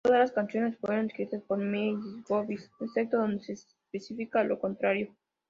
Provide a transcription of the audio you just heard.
Todas las canciones fueron escritas por Myles Goodwyn, excepto donde se especifica lo contrario